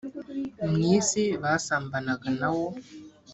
mu isi basambanaga na wo